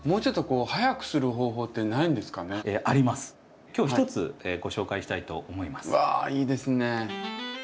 うわいいですね。